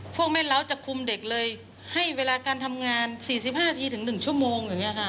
พวกแม่เล้าจะคุมเด็กเลยให้เวลาการทำงาน๔๕นาทีถึง๑ชั่วโมงอย่างนี้ค่ะ